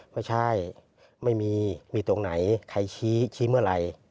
ไม่ใช่ไม่มีมีตรงไหนใครชี้เมื่อไหร่